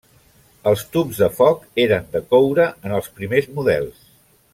Els tubs de foc eren de coure en els primers models.